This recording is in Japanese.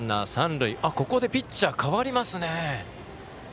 ここでピッチャー代わりますね。